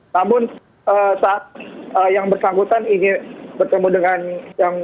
namun saat yang bersangkutan ingin bertemu dengan yang